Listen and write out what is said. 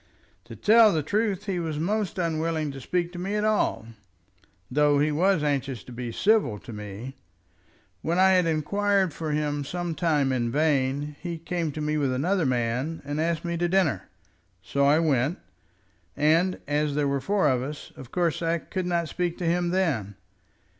"To tell the truth he was most unwilling to speak to me at all, though he was anxious to be civil to me. When I had inquired for him some time in vain, he came to me with another man, and asked me to dinner. So I went, and as there were four of us, of course I could not speak to him then.